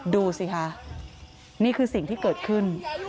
ดูสิคะนี่คือสิ่งที่เกิดขึ้น